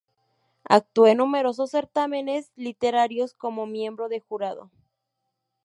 Actuó en numerosos certámenes literarios como miembro de jurado.